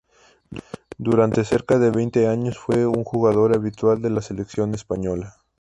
Durante cerca de veinte años, fue un jugador habitual de la selección española.